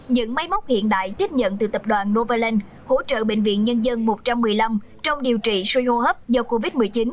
những máy móc hiện đại tiếp nhận từ tập đoàn novaland hỗ trợ bệnh viện nhân dân một trăm một mươi năm trong điều trị suy hô hấp do covid một mươi chín